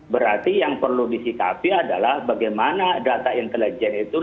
berarti yang perlu disikapi adalah bagaimana data intelijen itu lebih hati hati